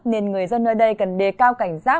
nên người dân nơi đây cần đề cao cảnh giác